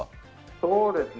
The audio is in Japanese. そうですね。